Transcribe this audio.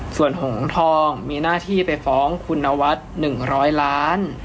ส่วนหงทองมีหน้าที่ไปฟ้องคุณนวัด๑๐๐ล้าน